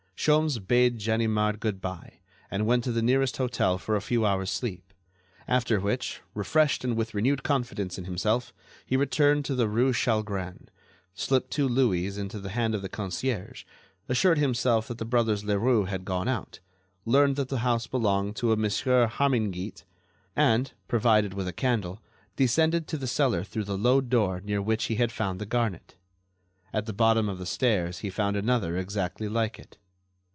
Sholmes bade Ganimard good bye and went to the nearest hotel for a few hours' sleep; after which, refreshed and with renewed confidence in himself, he returned to the rue Chalgrin, slipped two louis into the hand of the concierge, assured himself that the brothers Leroux had gone out, learned that the house belonged to a Monsieur Harmingeat, and, provided with a candle, descended to the cellar through the low door near which he had found the garnet. At the bottom of the stairs he found another exactly like it.